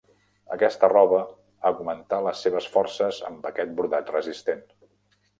Aquesta roba augmentà les seves forces amb aquest brodat resistent.